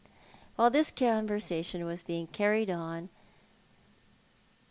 While this conversation was being carried on.